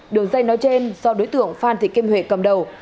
đường dây nói trên do đối tượng phan thị kim huệ cầm đầu